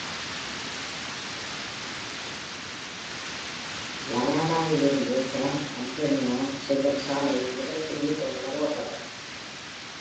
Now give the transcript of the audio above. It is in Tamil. Laredo இலிருந்து San Antonio செல்லும் சாலையில் முதல் குடியேற்றங்கள் நிறுவப்பட்டன.